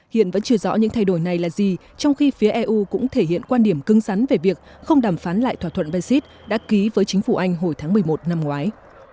hiện vẫn chưa rõ những thay đổi này là gì trong khi phía eu cũng thể hiện quan điểm cưng rắn về việc không đàm phán lại thỏa thuận brexit đã ký với chính phủ anh hồi tháng một mươi một năm ngoái